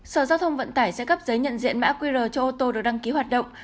sở giao thông vận tải sẽ cấp giấy nhận diện mã qr cho ô tô được đăng ký hoạt động